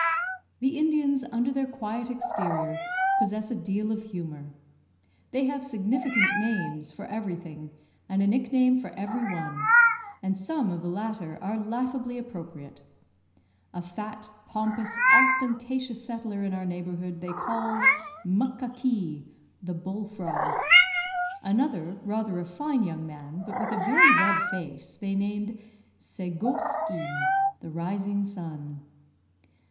The Indians, under their quiet exterior, possess a deal of humour. They have significant names for everything, and a nickname for every one, and some of the latter are laughably appropriate. A fat, pompous, ostentatious settler in our neighbourhood they called Muckakee, "the bull frog." Another, rather a fine young man, but with a very red face, they named Segoskee, "the rising sun."